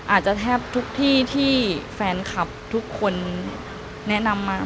อาจจะแทบทุกที่ที่แฟนคลับทุกคนแนะนำมา